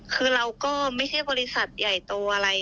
คือเราก็ไม่ใช่บริษัทใหญ่โตอะไร